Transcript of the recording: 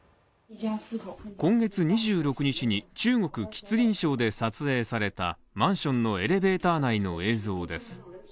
今月２６日に中国吉林省で撮影されたマンションのエレベーター内の映像です。